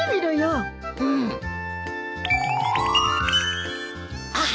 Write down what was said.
うん。ああ！